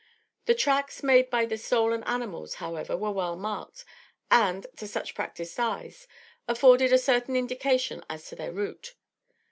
The tracks made by the stolen animals, however, were well marked; and, to such practised eyes, afforded a certain indication as to their route.